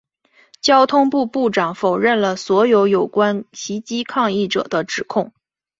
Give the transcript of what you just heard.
交通部部长否认了所有有关袭击抗议者的指控。